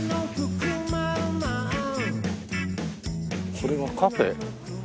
これはカフェ？